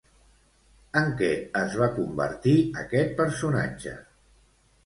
En què es va convertir aquest personatge?